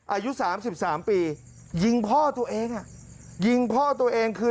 อายุ๓๓ปียิงพ่อตัวเองยิงพ่อตัวเองคือ